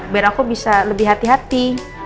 biar aku bisa lebih hati hati